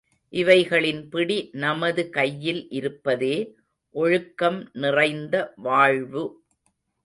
இவைகளின் பிடி நமது கையில் இருப்பதே ஒழுக்கம் நிறைந்த வாழ்வு.